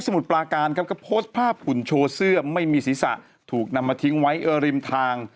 มุดปลาการครับก็โพสต์ภาพหุ่นโชว์เสื้อไม่มีศีรษะถูกนำมาทิ้งไว้เออริมทาง